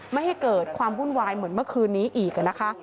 ไม่ให้เกิดความวุ่นวายเหมือนเมื่อคืนนี้อีกนะคะ